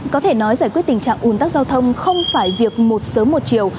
có thể nói giải quyết tình trạng ủn tắc giao thông không phải việc một sớm một chiều